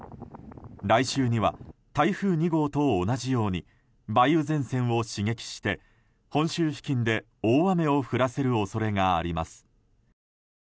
来週には台風２号と同じように梅雨前線を刺激して本州付近で大雨を降らせる恐れがあります。